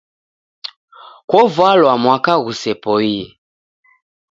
Kovalwa mwaka ghusepoie